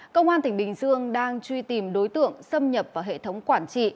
công an tỉnh bình dương đang truy tìm đối tượng xâm nhập vào hệ thống quản trị